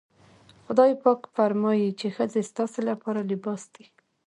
خدای پاک فرمايي چې ښځې ستاسې لپاره لباس دي.